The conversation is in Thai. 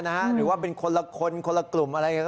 หรือว่าเป็นคนละคนคนละกลุ่มอะไร